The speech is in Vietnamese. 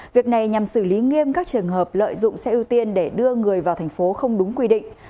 việc này nhằm xử lý nghiêm các trường hợp lợi dụng xe ưu tiên để đưa người vào thành phố không đúng quy định